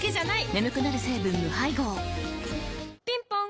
眠くなる成分無配合ぴんぽん